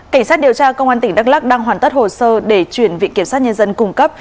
cảnh sát điều tra công an tỉnh đắk lắc đang hoàn tất hồ sơ để chuyển viện kiểm sát nhân dân cung cấp